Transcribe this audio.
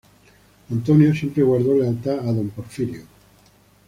Antonio siempre guardó lealtad a don Porfirio.